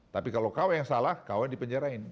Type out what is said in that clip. tapi kalau kau yang salah kau yang dipenjarain